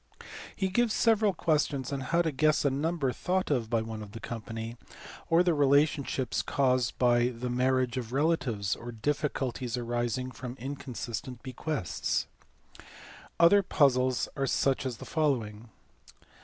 I To gives several questions on how to guess a number thought of by one of (.he company, or the relationships caused by the marriage Of relatives, or diiliculties arising from inconsistent bequests. Other pn/xles are such as t he following.